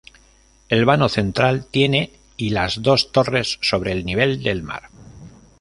El vano central tiene y las dos torres sobre el nivel del mar.